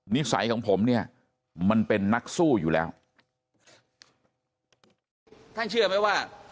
นิสัยของผมเนี่ยมันเป็นนักสู้อยู่แล้ว